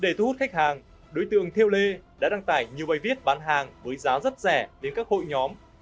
để thu hút khách hàng đối tượng theo lê đã đăng tải nhiều bài viết bán hàng với giá rất rẻ đến các hội nhóm